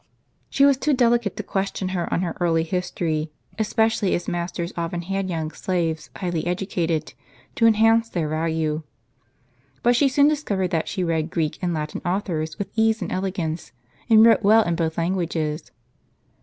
She was too delicate to ques tion her on her early history ; especially as masters often had young slaves highly educated, to enhance their value. But she soon discovered that she read Greek and Latin authors with ease and elegance, and wrote well in both languages.